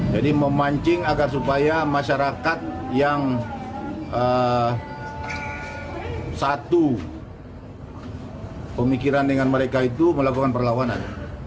jadi memancing agar supaya masyarakat yang satu pemikiran dengan mereka itu melakukan perlawanan